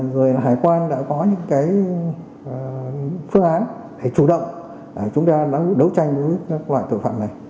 rồi hải quan đã có những cái phương án để chủ động chúng ta đấu tranh với các loại thực phẩm này